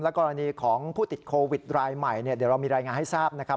กรณีของผู้ติดโควิดรายใหม่เดี๋ยวเรามีรายงานให้ทราบนะครับ